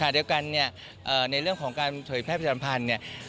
เดียวกันในเรื่องของการถอยแพทยภัณฑ์